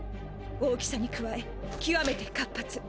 大きさに加え極めて活発。